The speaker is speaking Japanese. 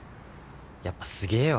やっぱすげぇよ